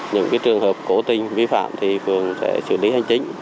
những trường hợp cổ tin vi phạm thì phương sẽ xử lý hành chính